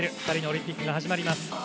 ２人のオリンピックが始まります。